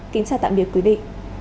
kính chào tạm biệt quý vị